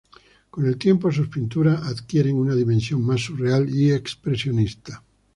Con el tiempo sus pinturas adquieren una dimensión mas surreal y expresionista.